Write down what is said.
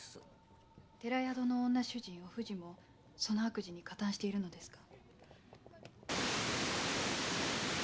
寺宿の女主人・お藤も悪事に加担しているのですか？